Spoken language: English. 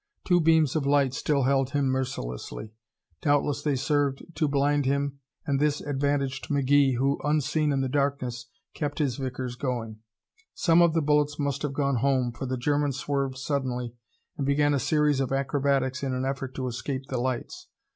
Two beams of light still held him mercilessly. Doubtless they served to blind him and this advantaged McGee who, unseen in the darkness, kept his Vickers going. Some of the bullets must have gone home for the German swerved suddenly and began a series of acrobatics in an effort to escape the lights.